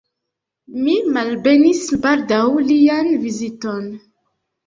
Mi malbenis baldaŭ lian viziton.